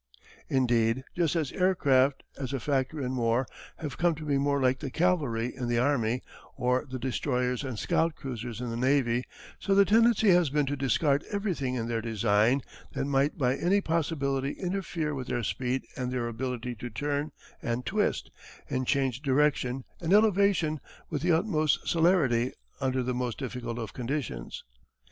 Indeed just as aircraft, as a factor in war, have come to be more like the cavalry in the army, or the destroyers and scout cruisers in the navy, so the tendency has been to discard everything in their design that might by any possibility interfere with their speed and their ability to turn and twist, and change direction and elevation with the utmost celerity under the most difficult of conditions.